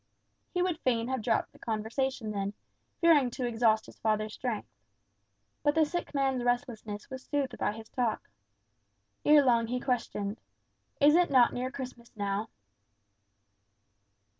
He would fain have dropped the conversation then, fearing to exhaust his father's strength. But the sick man's restlessness was soothed by his talk. Ere long he questioned, "Is it not near Christmas now?"